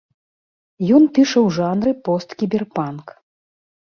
Ён піша ў жанры посткіберпанк.